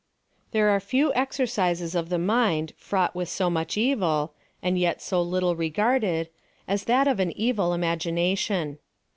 There are lew exercises of the mind fraught with SO much evil, and yet so little regarded, as that of an evil imagination.